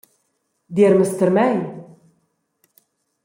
Diermas tier mei?